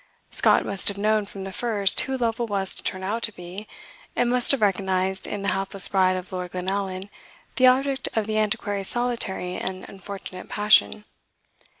Scott must have known from the first who Lovel was to turn out to be, and must have recognised in the hapless bride of Lord Glenallan the object of the Antiquary's solitary and unfortunate passion.